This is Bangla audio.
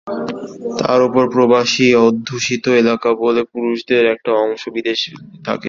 তার ওপর প্রবাসী অধ্যুষিত এলাকা বলে পুরুষদের একটা অংশ বিদেশে থাকে।